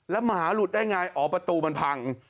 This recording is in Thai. แล้วหมาหลุดได้ไงอ๋อประตูมันพัง